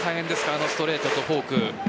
あのストレートとフォーク。